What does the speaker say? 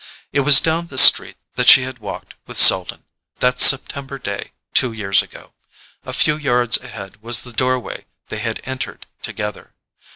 It was down this street that she had walked with Selden, that September day two years ago; a few yards ahead was the doorway they had entered together.